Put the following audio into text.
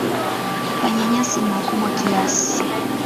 Panya-nyasi ni wakubwa kiasi.